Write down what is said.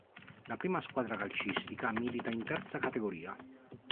La prima squadra calcistica milita in terza categoria.